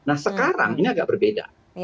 nah sekarang ini agak berbeda